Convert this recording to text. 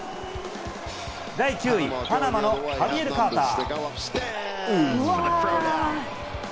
第９位、パナマのハビエル・カーパー。